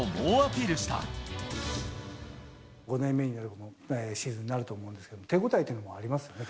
５年目になるシーズンになると思うんですけど、手応えというのはありますよね？